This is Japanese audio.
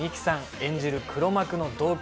演じる黒幕の動機。